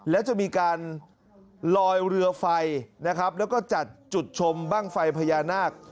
และจะมีการลอยเรือไฟนะครับแล้วก็จัดจุดชมบ้างไฟพญานาค